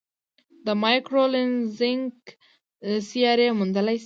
د مایکرو لینزینګ سیارې موندلای شي.